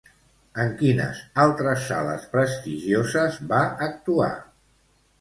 En quines altres sales prestigioses va actuar?